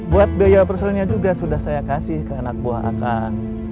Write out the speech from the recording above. buat biaya perselaniannya juga sudah saya kasih ke anak buah a kang